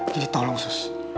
jadi tolong sus